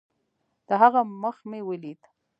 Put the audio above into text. د هغه مخ مې وليد.